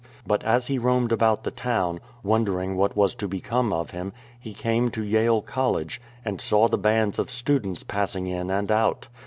Bat as he roamed about the town, wondering what was to become of him, he came to Yale College, and saw the bands of students passing in and out.